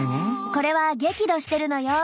これは激怒してるのよ。